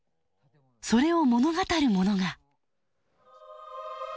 それを物語るものが。